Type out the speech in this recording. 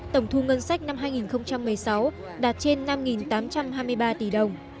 tổng thu ngân sách năm hai nghìn một mươi sáu đạt trên năm tám trăm hai mươi ba tỷ đồng